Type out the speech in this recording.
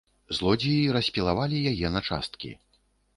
Злодзеі распілавалі яе на часткі.